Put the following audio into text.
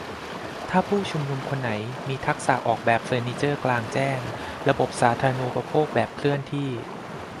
ถ้าผู้ชุมนุมคนไหนมีทักษะออกแบบเฟอร์นิเจอร์กลางแจ้ง-ระบบสาธารณูปโภคแบบเคลื่อนที่